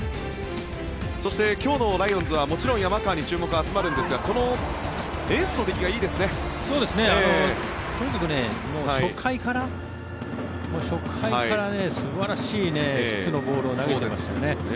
そして、今日のライオンズはもちろん山川に注目が集まるんですがとにかく初回から素晴らしい質のボールを投げてますね。